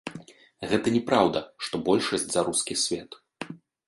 Гэта не праўда, што большасць за рускі свет.